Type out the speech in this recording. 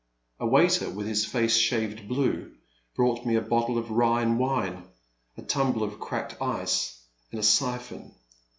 A waiter with his face shaved blue, brought me a bottle of Rhine wine, a tumbler of cracked ice, and a siphon.